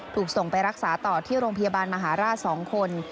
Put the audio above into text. ถูกส่งไปรักษาต่อที่โรงพยาบาลมหาราช๒คน